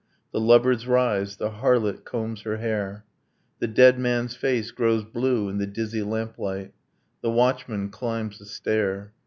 . The lovers rise, the harlot combs her hair, The dead man's face grows blue in the dizzy lamplight, The watchman climbs the stair